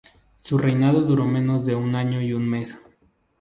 Su reinado duró menos de un año y un mes.